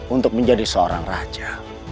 untuk menjadi seorang raja